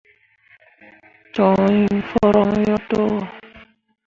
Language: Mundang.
Coŋ hii foroŋ yo to wo.